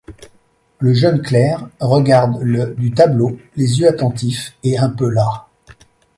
Le jeune clerc regarde le du tableau, les yeux attentifs et un peu las.